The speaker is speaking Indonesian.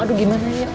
aduh gimana ya